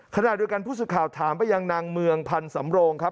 ขณะด้วยกันผู้สุดข่าวถามประยังนางเมืองพันธุ์สำโรงครับ